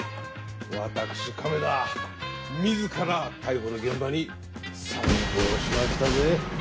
私亀田自ら逮捕の現場に参上しましたぜ。